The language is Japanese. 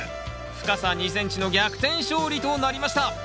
深さ２ｃｍの逆転勝利となりました！